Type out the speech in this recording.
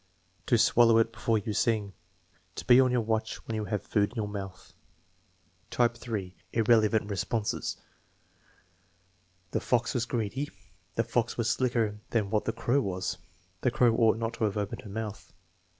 "To swallow it before you sing." "To be on your watch when you have food in your mouth." Type (3), irrelevant responses: "The fox was greedy." "The fox was slicker than what the crow was." "The crow ought not to have opened her mouth."